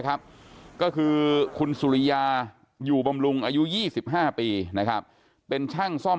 ก็คือคุณสุริยาอยู่บำรุงอายุ๒๕ปีนะครับเป็นช่างซ่อม